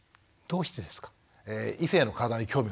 どうしてですか？